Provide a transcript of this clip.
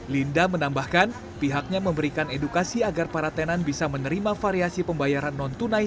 linda menambahkan pihaknya memberikan edukasi agar para tenan bisa menerima variasi pembayaran non tunai